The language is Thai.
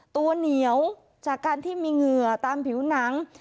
ตัวเหนียวจากการที่มีเหงื่อตามผิวหนัง